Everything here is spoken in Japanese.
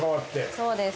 そうです。